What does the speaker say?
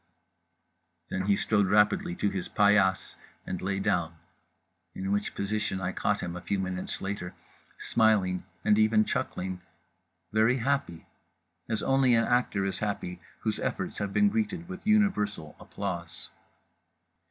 _" Then he strode rapidly to his paillasse and lay down; in which position I caught him, a few minutes later, smiling and even chuckling … very happy … as only an actor is happy whose efforts have been greeted with universal applause….